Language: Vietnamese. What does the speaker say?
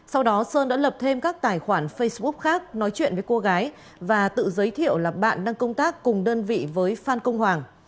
sau đó sơn đã lập thêm các tài khoản facebook khác nói chuyện với cô gái và tự giới thiệu là bạn đang công tác cùng đơn vị với phan công hoàng